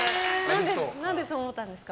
なんでそう思ったんですか？